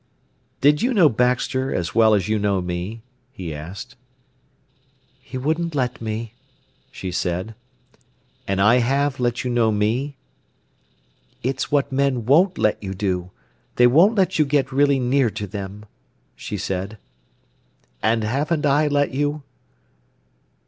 "Did you know Baxter as well as you know me?" he asked. "He wouldn't let me," she said. "And I have let you know me?" "It's what men won't let you do. They won't let you get really near to them," she said. "And haven't I let you?"